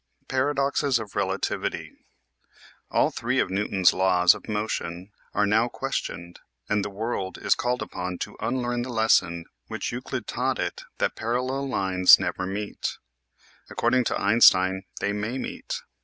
PARADOXES OF RELATIVITY All three of Newton's laws of motion are now questioned and the world is called upon to unlearn the lesson which Euclid taught it that parallel lines never meet. According to Einstein they may meet.